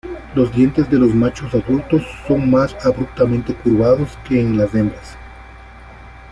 Los dientes de los machos adultos son más abruptamente curvados que en las hembras.